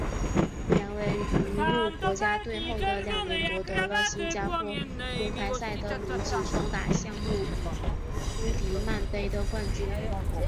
杨维于入国家队后的两年夺得了新加坡公开赛的女子双打项目与苏迪曼杯的冠军。